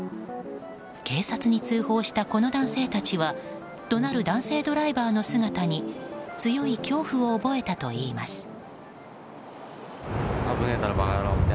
警察に通報したこの男性たちは怒鳴る男性ドライバーの姿に強い恐怖を覚えたといいます。